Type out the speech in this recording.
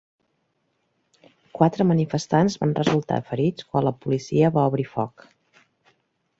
Quatre manifestants van resultar ferits quan la policia va obrir foc.